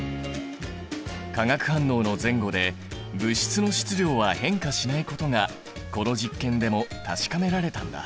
化学反応の前後で物質の質量は変化しないことがこの実験でも確かめられたんだ。